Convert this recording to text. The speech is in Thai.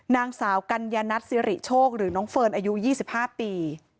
นางสาวกัญญนัทสิริโชคหรือน้องเฟิร์นอายุ๒๕ปี